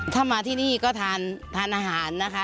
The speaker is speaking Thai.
ถ้ามาที่นี่ก็ทานอาหารนะคะ